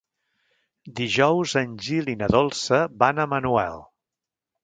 Dijous en Gil i na Dolça van a Manuel.